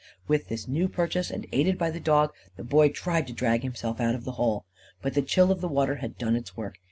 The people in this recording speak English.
With this new purchase, and aided by the dog, the boy tried to drag himself out of the hole. But the chill of the water had done its work.